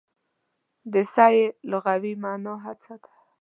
د سعې لغوي مانا هڅه ده.